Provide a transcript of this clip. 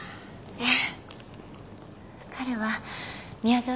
ええ。